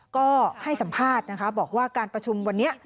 ก็ให้สัมภาษณ์นะคะบอกว่าการประชุมวันนี้